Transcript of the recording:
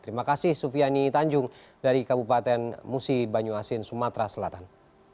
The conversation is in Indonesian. terima kasih sufiani tanjung dari kabupaten musi banyuasin sumatera selatan